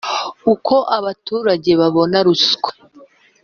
Uko abaturage babona ruswa